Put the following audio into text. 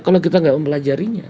kalau kita nggak mempelajarinya